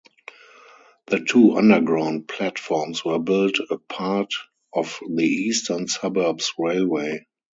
The two underground platforms were built as part of the Eastern Suburbs Railway.